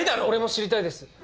俺も知りたいです。